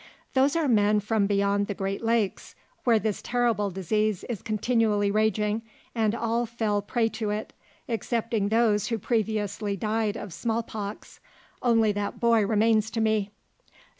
] Those are men from beyond the Great Lakes where this terrible disease is continually raging and all fell prey to it, excepting those who previously died of small pox. Only that boy remains to me."